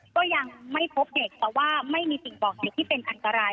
ก็ยังไม่พบเด็กแต่ว่าไม่มีสิ่งบอกเหตุที่เป็นอันตราย